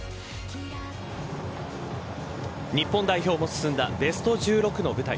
日本代表も進んだベスト１６の舞台。